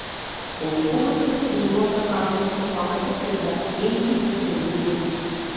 Понекогаш се осмелувам да кажам нешто паметно пред академици и пред денгуби.